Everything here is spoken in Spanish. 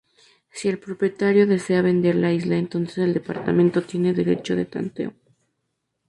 Si el propietario desea vender la isla entonces el Departamento tiene derecho de tanteo.